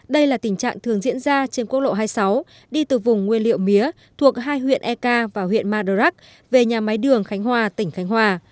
đây là tình trạng thường diễn ra trên quốc lộ hai mươi sáu đi từ vùng nguyên liệu mía thuộc hai huyện eka và huyện madurak về nhà máy đường khánh hòa tỉnh khánh hòa